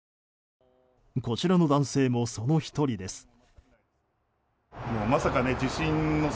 こちらの男性もその１人です。